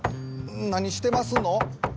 何してますの？